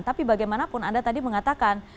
tapi bagaimanapun anda tadi mengatakan